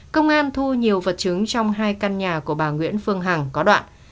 công an thu nhiều vật chứng trong hai căn nhà của bà nguyễn phương hằng có đoạn